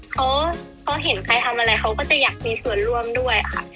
เขาพอเห็นใครทำอะไรเขาก็จะอยากมีส่วนร่วมด้วยค่ะ